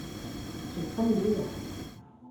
J’ai trente-deux ans.